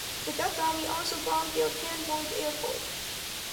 The Dutch army also bombed the Okanburg Airport.